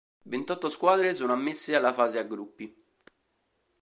Ventotto squadre sono ammesse alla fase a gruppi.